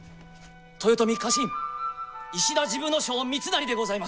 豊臣家臣石田治部少輔三成でございます。